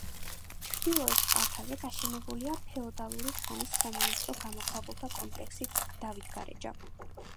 ჩრდილოეთ კალთაზე გაშენებულია ფეოდალური ხანის სამონასტრო გამოქვაბულთა კომპლექსი დავითგარეჯა.